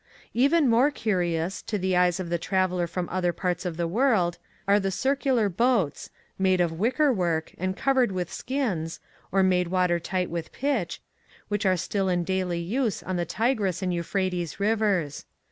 Even more curious, to the eyes of the traveler from other parts T. S. of the world, are the circular boats, made of wickerwork and covered ' pulled with skins, or made water tight with pitch, which are still in daily use on the Tigris and Euphrates Rivers.